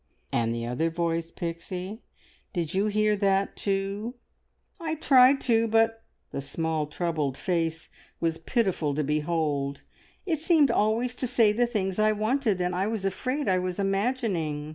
"And the other voice, Pixie did you hear that too?" "I tried to, but," the small troubled face was pitiful to behold "it seemed always to say the things I wanted, and I was afraid I was imagining.